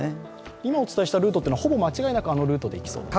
今お伝えしたルート、ほぼ間違えなくあのルートになりそうですか？